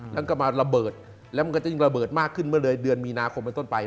แล้วก็มาระเบิดแล้วมันก็จะยิ่งระเบิดมากขึ้นเมื่อเลยเดือนมีนาคมเป็นต้นไป